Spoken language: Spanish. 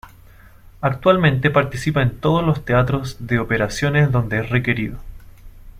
Actualmente participa en todos los teatros de operaciones donde es requerido.